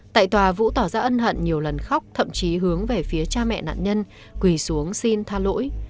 tại tòa vũ tỏ ra ân hận nhiều lần khóc thậm chí hướng về phía cha mẹ nạn nhân quỳ xuống xin tha lỗi